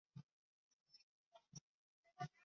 他的工作是令敌人迷失方向。